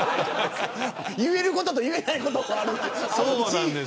言えることと言えないことがあるから。